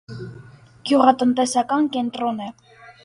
Գյուղատնտեսական կենտրոն Է։